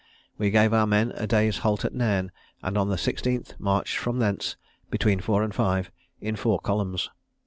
We gave our men a day's halt at Nairn, and on the 16th marched from thence, between four and five, in four columns.